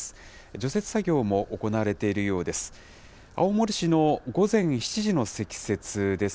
除雪作業も行われているようです。